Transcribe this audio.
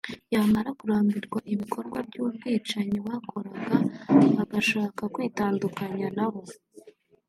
yamara kurambirwa ibikorwa by’ubwicanyi bakoraga agashaka kwitandukanya nabo